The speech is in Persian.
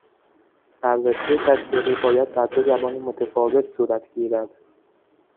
بررسی تطبیقی باید در دو زبان متفاوت صورت گیرد